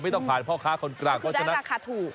มันไม่ต้องผ่านเพราะขาคนกลางคือได้ราคาถูก